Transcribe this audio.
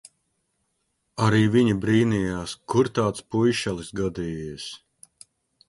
Arī viņa brīnījās, kur tāds puišelis gadījies.